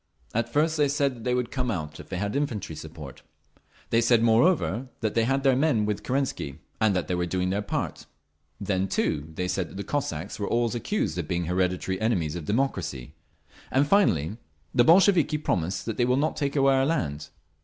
At first they said they would come out if they had infantry support. They said moreover that they had their men with Kerensky, and that they were doing their part…. Then, too, they said that the Cossacks were always accused of being the hereditary enemies of democracy…. And finally, 'The Bolsheviki promise that they will not take away our land.